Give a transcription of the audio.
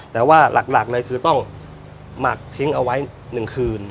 แต่ว่าหลักเลยคือต้องหมักทิ้งเอาไว้๑คืน